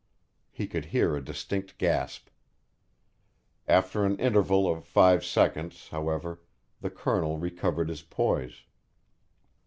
He could hear a distinct gasp. After an interval of five seconds, however, the Colonel recovered his poise.